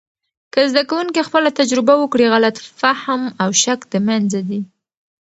که زده کوونکي خپله تجربه وکړي، غلط فهم او شک د منځه ځي.